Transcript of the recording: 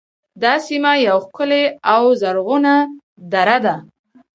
دا سیمه یوه ښکلې او زرغونه دره ده